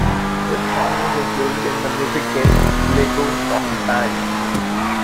This song is included in the music game "Lego Rock Band".